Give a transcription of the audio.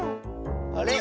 あれ？